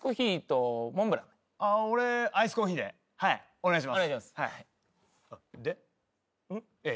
お願いします。